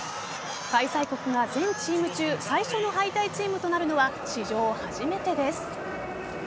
開催国が全チーム中最初の敗退チームとなるのは史上初めてです。